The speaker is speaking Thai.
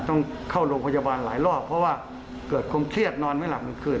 ต้องเข้าโรงพยาบาลหลายรอบเพราะว่าเกิดความเครียดนอนไม่หลับกลางคืน